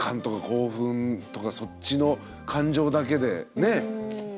興奮とかそっちの感情だけでね。